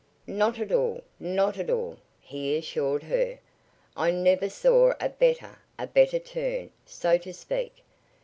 "Not at all not at all," he assured her. "I never saw a better a better turn, so to speak.